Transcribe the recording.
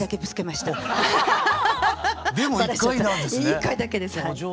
１回だけですはい。